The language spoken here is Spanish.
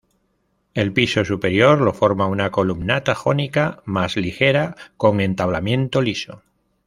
El piso superior lo forma una columnata jónica, más ligera, con entablamento liso.